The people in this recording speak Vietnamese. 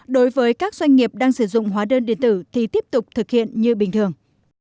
đối với các doanh nghiệp đang sử dụng hóa đơn điện tử thì tiếp tục thực hiện như bình thường